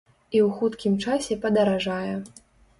І ў хуткім часе падаражае.